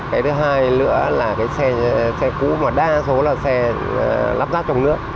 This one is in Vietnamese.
cái thứ hai nữa là cái xe cũ mà đa số là xe lắp ráp trong nước